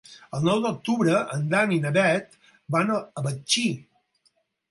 El nou d'octubre en Dan i na Bet van a Betxí.